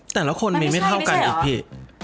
แต่ละคนมีไม่เท่ากันอีกพี่